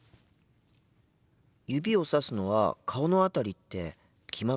指をさすのは顔の辺りって決まっているんですか？